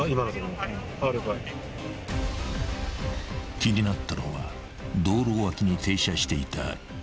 ［気になったのは道路脇に停車していた白い車］